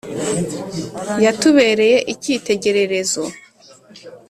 Yatubereye icyitegererezo.